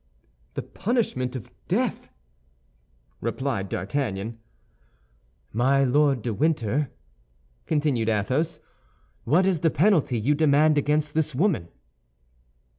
"The punishment of death," replied D'Artagnan. "My Lord de Winter," continued Athos, "what is the penalty you demand against this woman?"